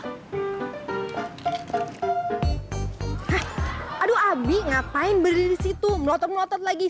hah aduh abi ngapain berdiri di situ melotot ngotot lagi